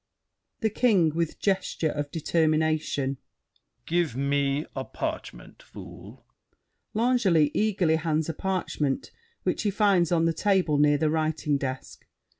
THE KING (with gesture of determination). Give me a parchment, fool. [L'Angely eagerly hands a parchment which he finds on the table near the writing desk.